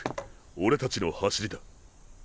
俺たちの走りだ。